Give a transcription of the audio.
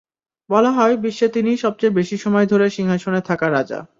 বলা হয়, বিশ্বে তিনিই সবচেয়ে বেশি সময় ধরে সিংহাসনে থাকা রাজা।